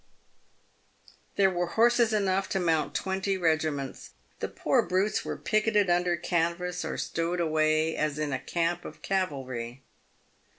There were horses enough to mount twenty regiments. The poor brutes were picketed under canvas, or stowed away as in a camp of cavalry.